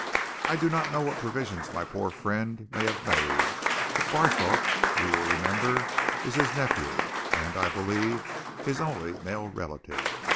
I do not know what provision my poor friend may have made, but Barthorpe, you will remember, is his nephew, and, I believe, his only male relative.